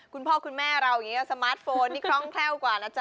คุณพ่อคุณแม่เราสมาร์ทโฟนนี่คล่องแคล้วกว่านะจ๊ะ